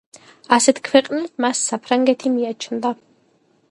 ასეთ ქვეყნად მას საფრანგეთი მიაჩნდა.